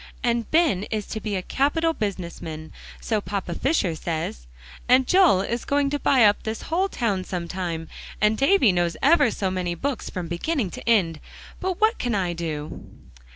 "And Ben is to be a capital business man, so Papa Fisher says, and Joel is going to buy up this whole town sometime, and Davie knows ever so many books from beginning to end, but what can I do?"